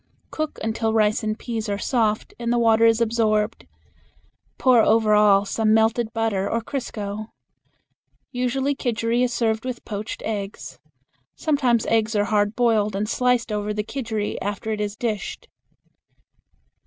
Cook until rice and peas are soft and the water is absorbed. Pour over all some melted butter or crisco. Usually kidgeri is served with poached eggs. Sometimes eggs are hard boiled and sliced over the kidgeri after it is dished.